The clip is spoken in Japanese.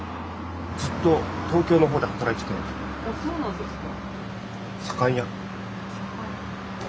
あっそうなんですか。